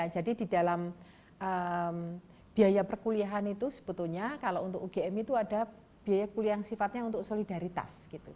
jadi di dalam biaya perkuliahan itu sebetulnya kalau untuk ugm itu ada biaya kuliah yang sifatnya untuk solidaritas